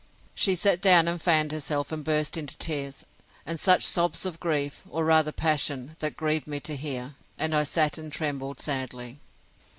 She sat down and fanned herself, and burst into tears, and such sobs of grief, or rather passion, that grieved me to hear; and I sat and trembled sadly.